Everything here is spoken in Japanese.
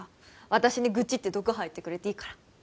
私に愚痴って毒吐いてくれていいから